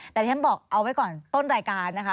แต่ที่ฉันบอกเอาไว้ก่อนต้นรายการนะคะ